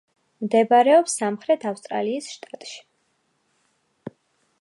მდებარეობს სამხრეთი ავსტრალიის შტატში.